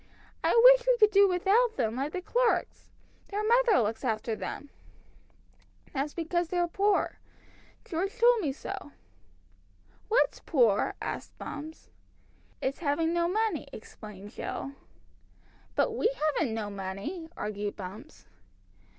I wish we could do without them, like the Clarkes. Their mother looks after them." "That's because they're poor George told me so." "What's poor?" asked Bumps. "It's having no money," explained Jill. "But we haven't no money," argued Bumps.